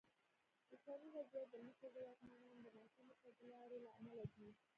اوسنی وضعیت د مصر د واکمنانو د ناسمو تګلارو له امله دی.